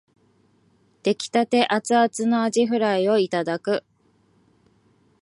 出来立てアツアツのあじフライをいただく